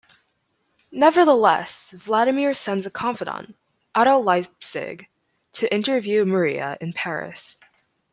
Nevertheless, Vladimir sends a confidant, Otto Leipzig, to interview Maria in Paris.